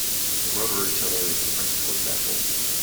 The rotary tiller is a principle example.